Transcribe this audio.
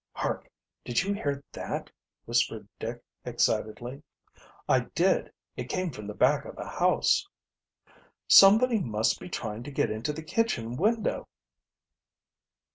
"Hark! Did you hear that?" whispered Dick excitedly. "I did. It came from the back of the house." "Somebody must be trying to get into the kitchen window!"